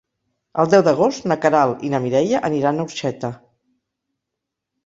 El deu d'agost na Queralt i na Mireia aniran a Orxeta.